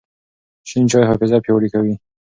شین چای حافظه پیاوړې کوي.